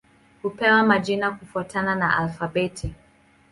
Hupewa majina kufuatana na alfabeti.